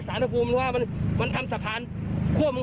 โสลสะพานก็มีตัวปลายไปเลย